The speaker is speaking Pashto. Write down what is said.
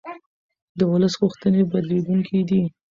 د ولس غوښتنې بدلېدونکې دي